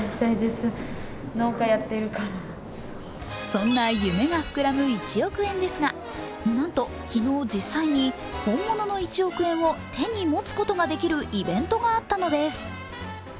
そんな夢が膨らむ１億円ですがなんと昨日、実際に本物の１億円を手に持つことができるイベントがあったのです。